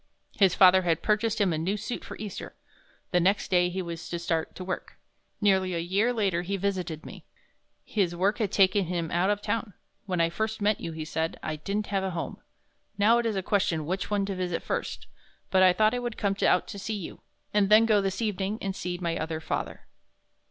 His father had purchased him a new suit for Easter. The next day he was to start to work. Nearly a year later he visited me. His work had taken him out of town. "When I first met you," he said. "I didn't have a home. Now it is a question which one to visit first, but I thought I would come out to see you, and then go this evening and see my other father."